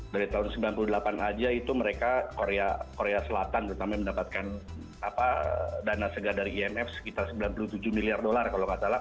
dari tahun sembilan puluh delapan aja itu mereka korea selatan terutama mendapatkan dana segar dari imf sekitar sembilan puluh tujuh miliar dolar kalau nggak salah